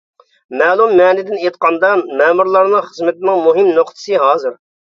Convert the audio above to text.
مەلۇم مەنىدىن ئېيتقاندا، مەمۇرلارنىڭ خىزمىتىنىڭ مۇھىم نۇقتىسى-ھازىر.